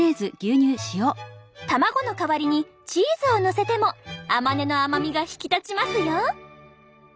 卵の代わりにチーズをのせても甘根の甘みが引き立ちますよ。